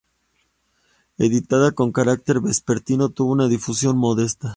Editado con carácter vespertino, tuvo una difusión modesta.